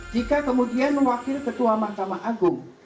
jika kemudian mewakil ketua mahkamah agung